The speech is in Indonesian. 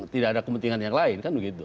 tidak ada kepentingan yang lain kan begitu